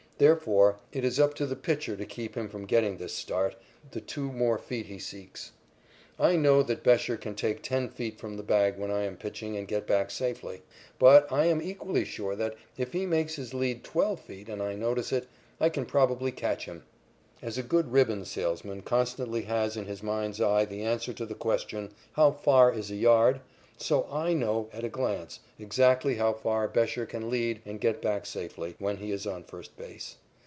Therefore, it is up to the pitcher to keep him from getting this start the two more feet he seeks. I know that Bescher can take ten feet from the bag when I am pitching and get back safely. But, I am equally sure that, if he makes his lead twelve feet and I notice it, I can probably catch him. As a good ribbon salesman constantly has in his mind's eye the answer to the question, "How far is a yard?" so I know at a glance exactly how far Bescher can lead and get back safely, when he is on first base.